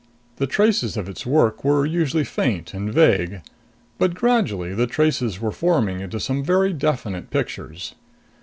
The traces of its work were usually faint and vague. But gradually the traces were forming into some very definite pictures.